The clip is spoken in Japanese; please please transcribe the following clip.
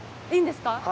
いいんですか？